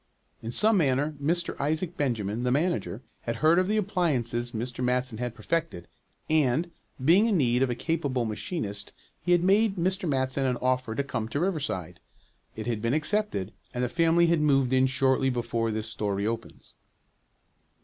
In some manner Mr. Isaac Benjamin, the manager, had heard of the appliances Mr. Matson had perfected, and, being in need of a capable machinist, he had made Mr. Matson an offer to come to Riverside. It had been accepted, and the family had moved in shortly before this story opens.